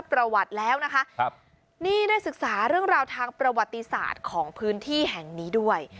ประวัติแล้วนะคะครับนี่ได้ศึกษาเรื่องราวทางประวัติศาสตร์ของพื้นที่แห่งนี้ด้วย